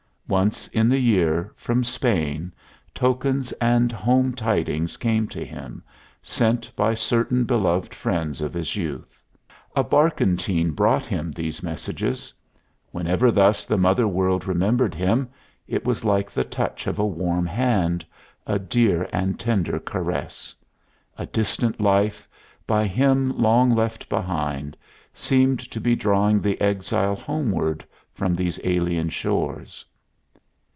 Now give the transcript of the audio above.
Once in the year, from Spain, tokens and home tidings came to him, sent by certain beloved friends of his youth. A barkentine brought him these messages. Whenever thus the mother world remembered him, it was like the touch of a warm hand, a dear and tender caress; a distant life, by him long left behind, seemed to be drawing the exile homeward from these alien shores.